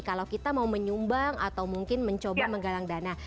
kalau kita mau menyumbang atau mungkin mencoba menggalang dana